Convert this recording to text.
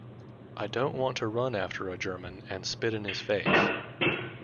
I don't want to run after a German and spit in his face.